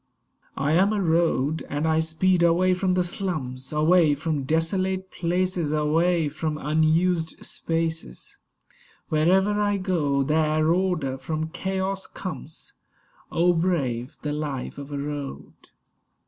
I am a Road; and I speed away from the slums, Away from desolate places, Away from unused spaces; Wherever I go, there order from chaos comes. Oh, brave the life of a Road!